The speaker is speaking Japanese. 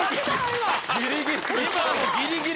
ギリギリ。